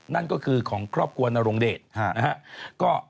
นั่นก็คือของครอบครัวนรงเดชนะครับ